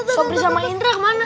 sopir sama indra kemana